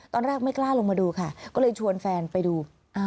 ตอนแรกไม่กล้าลงมาดูค่ะก็เลยชวนแฟนไปดู